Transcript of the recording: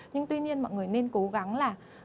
nhưng tuy nhiên mọi người nên cố gắng là